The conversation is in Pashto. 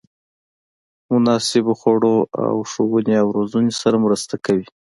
مناسبو خوړو او ښوونې او روزنې سره مرسته کوي.